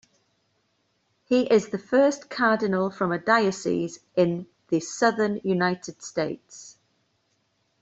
He is the first cardinal from a diocese in the Southern United States.